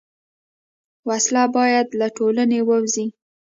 وسله باید له ټولنې ووځي